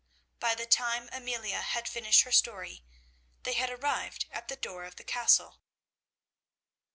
By the time Amelia had finished her story, they had arrived at the door of the castle.